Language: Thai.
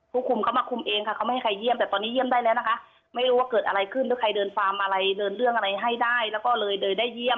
แต่ก็ยังไม่สามารถที่จะเปิดเผยเขาได้